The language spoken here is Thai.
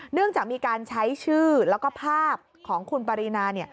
เนื่องจากมีการใช้ชื่อแล้วก็ภาพของคุณปรินา